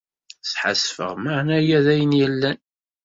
Sḥasfeɣ maɛna aya d ayen yellan.